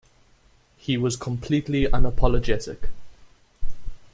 He was completely unapologetic.